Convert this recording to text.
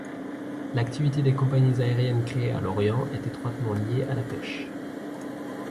L'activité des compagnies aériennes créées à Lorient est étroitement liée à la pêche.